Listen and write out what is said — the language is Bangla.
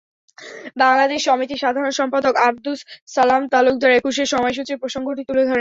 বাংলাদেশ সমিতির সাধারণ সম্পাদক আবদুস সালাম তালুকদার একুশের সময়সূচির প্রসঙ্গটি তুলে ধরেন।